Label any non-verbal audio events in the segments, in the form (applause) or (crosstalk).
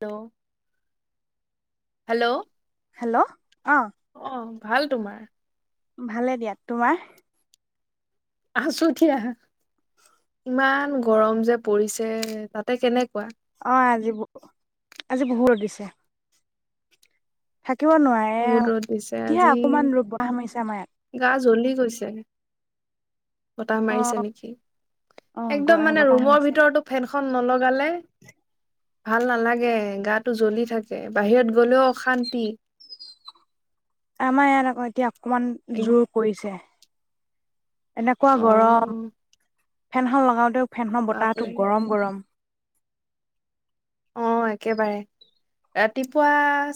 ল', hello hello. অ অহ। ভাল তোমাৰ? ভালে দিয়া, তোমাৰ? আহাছো উঠি আহা, ইমান গৰম যে পৰিছে, তাতে কেনেকুৱা? অ' আজি ব, আজি বহু ৰদ দিছে। কিব নোৱাৰে বহুত আও, ৰ'দ দিছে আজি কিহে অকমান ৰদ বতাহ মাৰিছে আমা এয়াত। গা জ্বলি গৈছে। বতাহ অ মাৰিছে নেকি? অ গ একদম মানে বতাহ ৰুমৰ মাৰিছে ভিতৰতো ফেন খন নলগালে ভাল নালাগে, গাটো জ্বলি থাকে বাহিৰত গলেও অশান্তি। আমাৰ এয়াত আকৌ এতিয়া। অকমান এক- জোৰ পৰিছে। এনেকুৱা অ গৰম। ফেনখন লগাওঁ দিয়ক। ফেনখনৰ বাপৰে বতাহটো গৰম গৰম। অ', একেবাৰে। ৰাতিপুৱা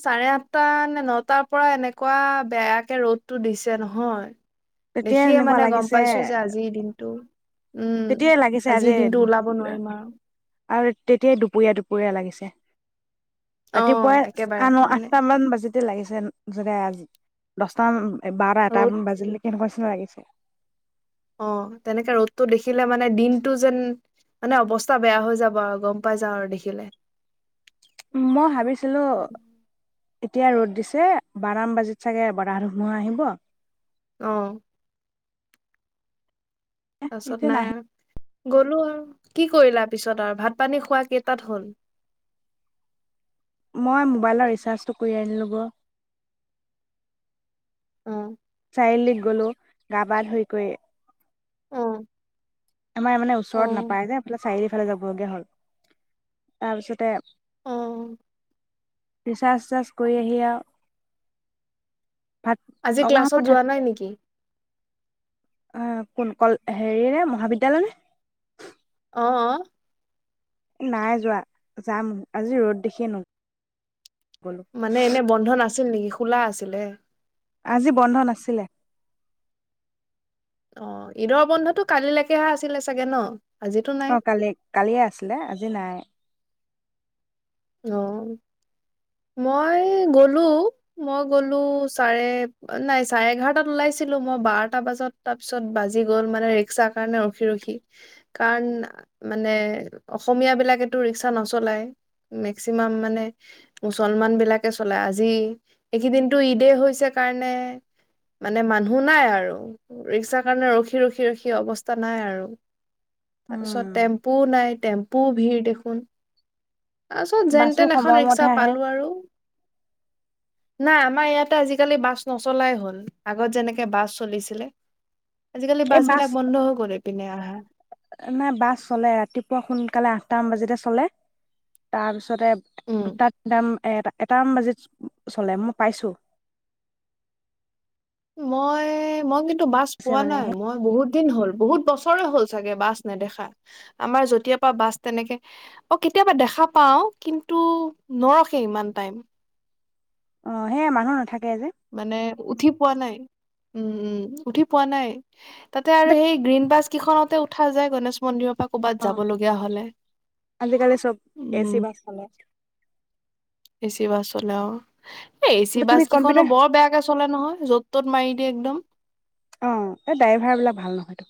চাৰে আঠটা নে নটাৰ পৰা এনেকুৱা বেয়াকে ৰ'দটো দিছে নহয়। তেতিয়াই দেখিয়েই এনেকুৱা মানে গম লাগিছে পাইছোঁ যে আজিৰ দিনটো। উম্। তেতিয়াই লাগিছে আজি আজিৰ দিনটো ওলাব নোৱাৰিম আৰু। আৰু তেতিয়াই দুপৰীয়া দুপৰীয়া লাগিছে। অ ৰাতিপুৱাই একেবাৰে আন মানে আঠটামান বাজুতে লাগিছে। যেন (unintelligible) দছটামান। এই বাৰা এটা ৰ'দ মান বাজিলে কেনেকুৱা লাগিছে। অ', তেনেকে ৰ'দটো দেখিলে মানে দিনটো যেন, মানে অৱস্থা বেয়া হৈ যাব আৰু গম পাই যাওঁ, আৰু দেখিলে। মই ভাবিছিলোঁ এতিয়া ৰ'দ দিছে, বাৰামান বাজাত চাগে বাৰাহা-ধুমুহা আহিব। অ'। তাৰপিছত এতিয়া নাই নাহি আৰু। গলোঁ আৰু। কি কৰিলা পিছত আৰু ভাত-পানী খোৱা কেইটাত হ'ল? মই মোবাইলৰ ৰিচাৰ্জটো কৰি আনিলোঁ ব। অ'। (unintelligible) লৈ গ'লো। গা-পা ধুই কৈ। উম্। আমাৰ মানে ওচৰত নাপায় যে, এইফালে চাৰিআলিৰ ফালে যাব (unintelligible) হ'ল। তাৰপিছতে উম্। ৰিচাৰ্জ-চিচাৰ্জ কৰি আহি আৰু ভাত আজি অকমান ক্লাছলৈ সময় থাক যোৱা নাই নেকি? অঁ কোন কল হেৰিনে মহাবিদ্যালয় নে? অঁ নাই যোৱা, যাম আজি ৰ'দ দেখিয়েই ন। মানে এনে বন্ধ না। নাছিল নেকি, খোলা আছিলে? আজি বন্ধ নাছিল। অঁ ঈদৰ বন্ধতটো কালিলৈকেহে আছিলে চাগে ন? আজিতো নাই অঁ কালি, কালিয়ে আছিলে, আজি নাই। অঁ। মই গলোঁ, মই গলোঁ চাৰে নাই চাৰে এঘাৰটাত ওলাইছিলোঁ মই। বাৰটা বজাত তাৰপিছত বাজি গ'ল, মানে ৰিক্সাৰ কাৰণে ৰখি ৰখি।। কাৰণ মানে অসমীয়াবিলাকেতো ৰিক্সা নচলায়। মেক্সিমাম মানে মুছলমান বিলাকে চলাই। আজি এইকেইদিনটো ঈদ হৈছে কাৰণে মানে মানুহ নাই আৰু ৰিক্সাৰ কাৰণে ৰখি ৰখি ৰখি অৱস্থা নাই আৰু। তাৰপিছত উম টেম্পুও নাই। টেম্পুও ভিৰ দেখোন তাৰপাছত যেন বাছো তেন এখন ৰিক্সা সময়মতহে আহে পালো আৰু নাই আমাৰ ইয়াতে আজিকালি বাছ নচলাই হ'ল আগত যেনেকে বাছ চলিছিলে আজিকালি এই বাছ বিলাক বন্ধ হৈ গ'ল এইপিনে আহা নাই বাছ চলে ৰাতিপুৱা সোনকালে সাতটা মান বজাতে চলে তাৰপিছত তাতে উম দুটা তিনিটা মান এটামান বাজিত চলে মই পাইছো মই মই কিন্তু টো বাছ আছে পোৱা মানে নাই সেই মই বহুত দিন হ'ল বহুত বছৰে হ'ল চাগে বাছ নেদেখা আমাৰ যেতিয়াৰ পৰা বাছ তেনেকে অ কেতিয়াবা দেখা পাও কিন্তু নৰখে ইমান টাইম অ, সেয়া মানুহ নাথাকে যে মানে উঠি পোৱা নাই, উম, উম, উঠি পোৱা নাই। তাতে আৰু সেই গ্ৰীণ বাছ কেইখনতে উঠা যে গণেশ মন্দিৰৰ পৰা ক'বাত যাব অ', লগীয়া হলে আজিকালি চব এচি উম বাছ চলে। এচি বাছ চলে, অ'। এ এচি কিন্তু বাছ তুমি কেইখনো কম্পিউটাৰ বৰ বেয়াকে চলে নহয়, য'ত ত'ত মাৰি কি একদম অ, এই ড্ৰাইভাৰ বিলাক ভাল নহয়তো।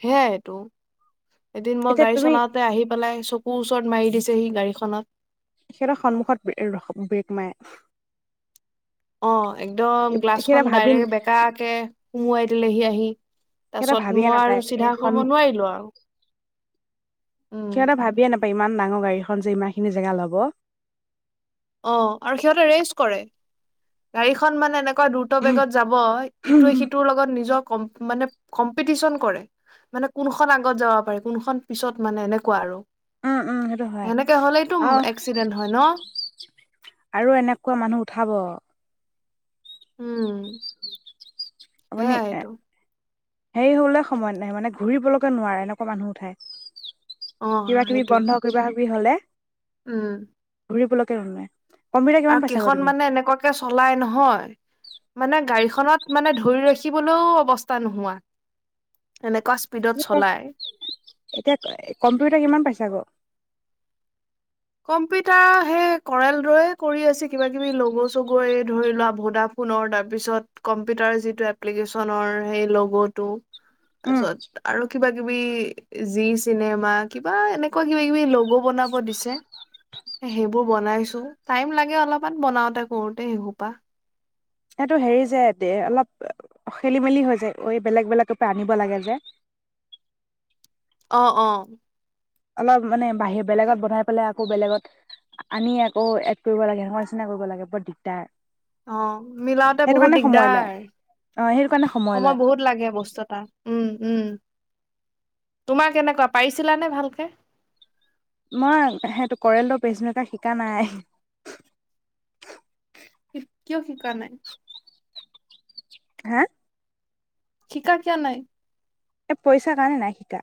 সেয়াইটো। এদিন মই এতিয়া গাড়ী তুমি চলাওঁতে আহি পেলাই চকুৰ ওচৰত মাৰি দিছে। সেই গাড়ীখনত। সিহঁতৰ সন্মুখত, ৰখা, ব্ৰেক মাৰে। অ, একদম গ্লাছখন সিহঁতে ভাবি ডাইৰেক্ট বেকাকে সুমোৱাই দিলেহি আহি, সিহঁতে তাৰপিছত ভাবিয়ে মই নাপায় আৰু এই চিধা কৰিব সন্মুখ নোৱাৰিলো আৰু উম সিহঁতে ভাবিয়ে নাপ পায়, ইমান ডাঙৰ গাড়ীখন যে ইমান খিনি জেগা ল'ব। অ, আৰু সিহঁতে ৰেচ কৰে, গাড়ীখন মানে এনে কোৱা দ্ৰুত বেগত যাব, ইটোৱে-সিটোৰ লগত নিজক কম্প, মানে কম্পিটিচন কৰে, মানে কোনখন আগত যাব পাৰে, কোনখন পিছত মানে এনেকুৱা আৰু উম উম সেইটো হয় সেনেকে হ'লেইতো আৰু এক্সিডেন্ট হয় ন? আৰু এনেকুৱা মানুহ উঠাব উম। আপুনি সেয়াই এ টো। হেৰি হ'বলে সময় নাই, মানে ঘূৰিবলৈকে নোৱাৰে, এনেকুৱা মানুহ উঠাই। অ কিবা-কিবি সেইটোৱে বন্ধ কৰিব কি হ'লে উম। ঘূৰিবলৈকে (unintelligible) কিমান আৰু পাইছা গৈ কেইখন তুমি মানে এনেকুৱাকে চলাই নহয়। মানে গাড়ীখনত, মানে ধৰি ৰাখিবলৈও অৱস্থা নোহোৱা, এনে (unintelligible) এতিয়া কম্পিউটাৰ কিমান পাইছা আকৌ? কম্পিউটাৰ সেই কৰেল দৰে কৰি আছে, কিবা-কিবি লগ'-চগ' এই ধৰি লোৱা, ভোডাফোনৰ, তাৰপিছত কম্পিউটাৰ যিটো এপ্লিকেশ্যনৰ, সেই লগ'টো। উম তাৰপিছত আৰু কিবা কিবি জি চিনেমা, কিবা এনেকুৱা, কিবা-কিবি লগ' বনাব দিছে। সেইবোৰ বনাইছো, টাইম লাগে অলপমান বনাওতে কৰোতে সেইসোপা। সেইটো হেৰি যে, দে অলপ খেলি-মেলি হৈ যায় অই বেলেগ-বেলেগৰ পৰা আনিব লাগে যে। অ', অ'। অলপ মানে, বাহিৰ বেলেগত বনাই পেলাই, আকৌ বেলেগত আনি আকৌ এড কৰিব লাগে, (unintelligible) নিচিনা কৰিব লাগে বৰ দিগদাৰ। অ'। মিলাওতে সেইটো বহুত কাৰণে সময় লয় দিগদাৰ। অ সেইটো কাৰণে সময় লয় বহুত লাগে বস্তু এটা। ‌ উম, উম। তোমাৰ কেনেকুৱা? পাৰিছিলানে ভালকে? মই সেইটো কৰেলৰ পেচিমেকাৰ শিকা নাই। কিয় শিকা নাই? হা? শিকা কিয় নাই? এ পইচাৰ কাৰণে নাই শিকা।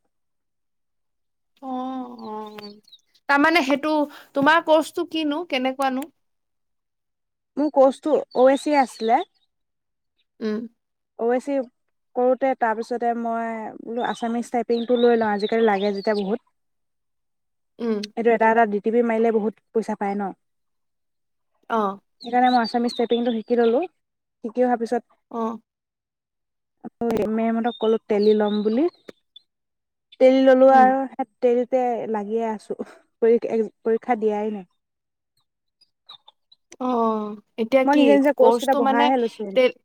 অ', অ', তাৰমানে সেইটো, তোমাৰ কৰ্চটো কিনো? কেনেকুৱানো? মোৰ কোৰ্চটো অএচি আছিলে। উম। অৱশ্যে কৰোঁতে, তাৰপিছতে মই বোলো, আছামিছ টাইপিংটো লৈ লওঁ, আজিকালি লাগে যেতিয়া বহুত। উম এইটো এটা এটা (unintelligible) (unintelligible) মাৰিলে বহুত পইচা পায় ন? অ সেইকাৰণে মই আমিচ ষ্টেপিং টো শিকি ল'লোঁ, শিকি অহাৰ পিছত অ' মে মেমহঁতক ক'লো টেলী ল'ম বুলি। টেলী ল'লোঁ উম আৰু (unintelligible) (unintelligible) লাগিয়ে আছোঁ। পৰি, এহ পৰীক্ষা দিয়াই নাই। অ'। এতিয়া মই কি, নিজে নিজে কৰ্চ কেইটা ক'ৰ্চটো মানে? বঢ়াইহে লৈছো (unintelligible)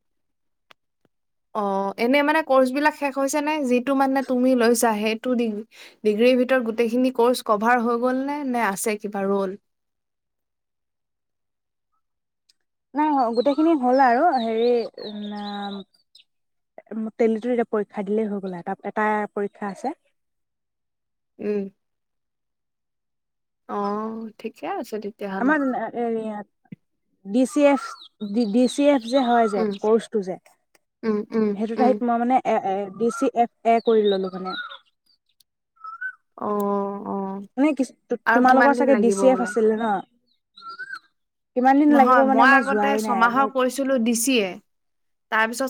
অ', এনে মানে, ক'ৰ্চ বিলাক শেষ হৈছে নে? যিটো মানে তুমি লৈছা, সেইটো ডিগ্ৰীৰ ভিতৰত গোটেইখিনি ক'ৰ্চ কভাৰ হৈ গল নে? নে আছে কিবা ৰ'ল? নাই, গোটেইখিনি হ'ল আৰু। হেৰি, উম, আহ টেলীটো এতিয়া পৰীক্ষা দিলেই হৈ গ'ল। এটা এটা পৰীক্ষা আছে। উম। অ', ঠিকে আছে। তেতিয়াহ'লে আমাৰ মে এয় (unintelligible) D C F, D D C F যে হয় যে, উম ক'ৰ্চটো যে, উম উম সেইটো উম ঠাইত, মই মানে এ এ ডি চি এফ এ কৰি ললো মানে। অ'। অ মানে কিচ, আৰু কিমান তোমালোকৰ দিন চাগে ডি লাগিব চি এফ বোলে আছিলে ন'? (inaudible) দিন লাগিব নহয়, মানে মই আগতে যোৱাই নাই ছমাহৰ মই কৰিছিলোঁ ডিচিয়ে। তাৰপিছত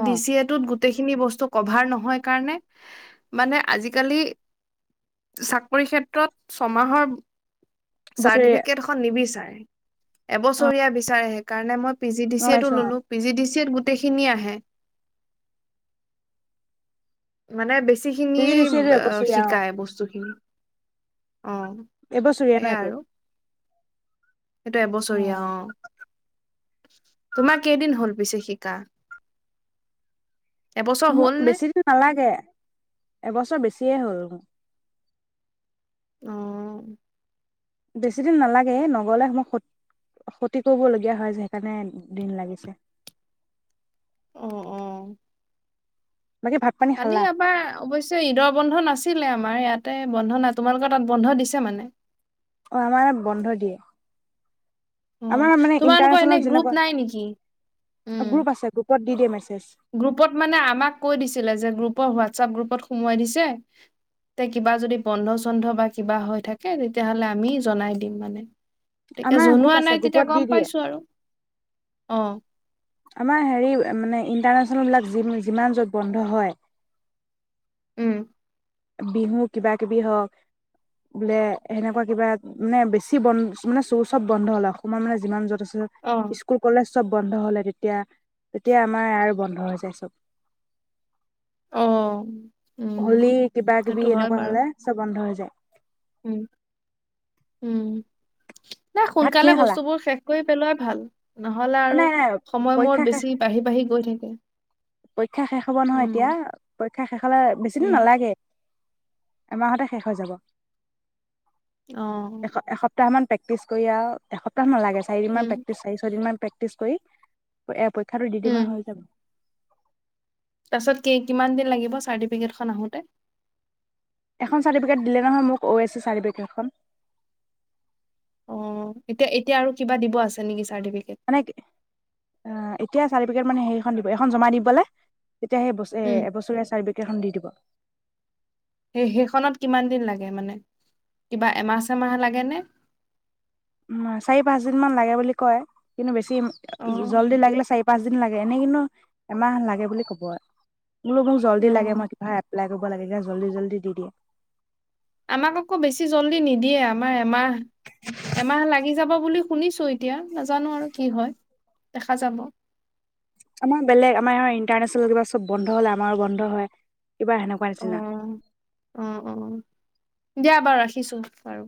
অ ডিচিএ টোত (unintelligible) গোটেইখিনি বস্তু কভাৰ নহয় কাৰণে মানে, আজিকালি (unintelligible) বছৰি চাৰ্টিফিকেটখন নিবিচাৰে। (inaudible) অ এবছৰীয়া বিচাৰে সেইকাৰণে মই পি জি ডি গম চি এ টো পাইছো অ ললো। পি জি ডি (unintelligible) গোটেইখিনিয়ে আহে। মানে বেছি গোটে পিজি খিনিয়ে দিছে ব এইটো এবছৰীয়া অ শিকায়, বস্তুখিনি। অ', এবছৰীয়া ন সেৱা এইটো আৰু। সেইটো অ এবছৰীয়া। অ'। তোমাৰ কেইদিন হল পিছে শিকা? এবছৰ ম হ'ল নে? বেছি দিন নালাগে। এবছৰ বেছি এতিয়াই হ'ল। অ'। বেছি দিন নালাগে। নগলে মই ক্ষত ক্ষতি কৰিবলগীয়া হয় যে, সেইকাৰণে দিন লাগিছে। অ', অ'। বাকী ভাত পানী কালি খালা আমাৰ অৱশ্যে ঈদৰ বন্ধ নাছিলে‌ আম আমাৰ ইয়াতে বন্ধ নাই। তোমালোকৰ তাত বন্ধ দিছে মানে। অ', আমাৰ বন্ধ দিয়ে। অ আমাৰ মানে তোমালোকৰ এনে ইন্টাৰনেচনেল গ্ৰুপ নাই নেকি? উম, যেনেকুৱা। গ্ৰুপ আছে গ্ৰুপত (unintelligible) গ্ৰুপত মানে আমাক কৈ দিছিলে যে গ্ৰুপৰ হোৱাত হোৱাটছপ গ্ৰুপত সোমোৱাই দিছে তে কিবা যদি বন্ধ চন্ধ বা কিবা হৈ থাকে তেতিয়াাহলে আমি জনাই দিম মানে গতিকে আমাৰ গ্ৰুপ জনোৱা আছে নাই তেতিয়া গ্ৰুপত দি গম দিয়ে পাইছো আৰু অ আমাৰ হেৰি মানে ইন্টাৰনেচনেলবিলাকি যিমান য'ত বন্ধ হয় উম বিহু কিবা কিবি হওক বোলে সেনেকুৱা কিবা মানে বেছি বন্ধ মানে চোৰ চব বন্ধ হলে অসময়ত মানে যিমান য'ত আছে অ স্কুল কলেজ চব বন্ধ হলে তেতিয়া তেতিয়া আমাৰ আৰু বন্ধ হৈ যায় চব অ উম হলি কিবা কিবি সেইটো হয় এনেকুৱা বাৰু হলে চব বন্ধ হৈ যায় উম উম নাই ভাত কিহে সোনকালে খালা বস্তুবোৰ শেষ কৰি পেলোৱাই ভাল নহলে আৰু নাই নাই সময় পৰীক্ষা মূৰত শেষ বেছি বাঢ়ি বাঢ়ি গৈ থাকে উ পৰীক্ষা শেষ হব নহয় এতিয়া পৰীক্ষা শেষ হলে বেছিদিন উম নালাগে এমাহতে শেষ হৈ যাব অ সপ্তাহান প্ৰেক্টিছ কৰি আৰু এস্তাহ মান লাগে চাৰিদিন মান উম প্ৰেকটিচ, চাৰি, ছয়দিনমান প্ৰেক্টিচ কৰি, এয়া খাটো উম দিদিমাহ হৈ যাব। তাৰপিছত কেই, কিমান দিন লাগিব চাৰ্টিফিকেট খন আহোঁতে? এখন চাৰ্টিফিকেট দিলে নহয় মোক, ওএছে চাৰ্টিফিকেট খন। অ', এতিয়া, এতিয়া আৰু কিবা দিব আছে নেকি, চা আনেকে, অ', এত তিয়া চাৰ্টিফিকেট মানে সেইখন দিব, এইখন জমা দি পেলাই তেতিয়া সে বছীয়া, উম এবছৰীয়া চাৰ্টিফিকেখন দি দিব। (inaudible) সেই সেইখনত কিমান দিন লাগে, মানে কিবা এমাহ, চেমাহ লাগেনে? উ, চাৰি, পাঁচ দিন মান লাগে বুলি কয়, কিন্তু বেছি অ জল্দি লাগিলে চাৰি, পাঁচ দিন লাগে, এনেই কিন্তু এমাহ লাগে বুলি ক'ব আৰু বুলো মোক জল্দি অ লাগে, মই কিবা এপ্লাই কৰিব ক'ব লাগে, তেতিয়া জল্দিজল্দি দি দিয়ে। আমাক আকৌ বেছি জল্দি নিদিয়ে, আমাৰ এমাহ, এমাহ লাগি যাব বুলি শুনিছো এতিয়া নাজানো আৰু কি হয়, দেখা যাব। আমাৰ বেলেগ আমাৰ এওৰ ইণ্টাৰনেশ্যনেল কিবা চব বন্ধ হ'লে আমাৰো বন্ধ হয়। কিবা সেনেকুৱা নিচিনা। অহ, অহ, অ'। দিয়া বাৰু ৰাখিছো বাৰু।